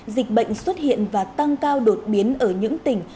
dịch bệnh xuất hiện và tăng cao đột biến ở những tỉnh